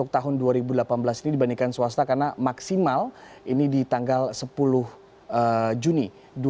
tahun dua ribu delapan belas ini dibandingkan swasta karena maksimal ini di tanggal sepuluh juni dua ribu delapan belas